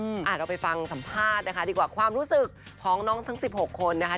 อ่าเราไปฟังสัมภาษณ์นะคะดีกว่าความรู้สึกของน้องทั้งสิบหกคนนะคะ